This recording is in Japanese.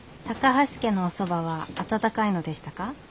高橋家のおそばは温かいのでしたか？